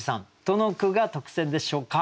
どの句が特選でしょうか？